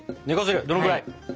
どのぐらい？